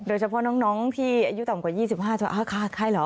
โดยเฉพาะน้องที่อายุต่ำกว่า๒๕จะฆ่าไข้เหรอ